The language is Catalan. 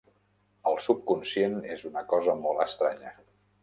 El subconscient és una cosa molt estranya.